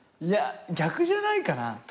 いや逆じゃないかな？